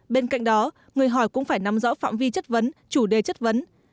bên cạnh đó người hỏi cũng phải nắm rõ phạm vi chất vấn chủ đề chất vấn